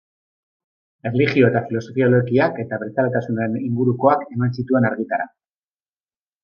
Erlijio- eta filosofia-olerkiak eta abertzaletasunaren ingurukoak eman zituen argitara.